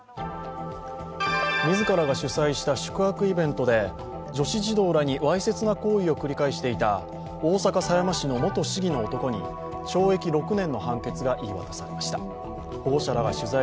自らが主催した宿泊イベントで女子児童らにわいせつな行為を繰り返していた大阪狭山市の元市議の男に、懲役６年の判決が言い渡されました。